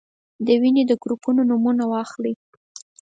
د وینې د ګروپونو نومونه واخلئ.